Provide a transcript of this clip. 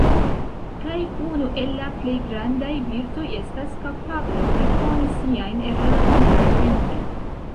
Kaj unu el la plej grandaj virtoj estas kapablo rekoni siajn erarojn kaj penti.